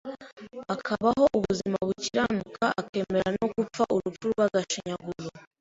akabaho ubuzima bukiranuka akemera no gupfa urupfu rw’agashinyaguro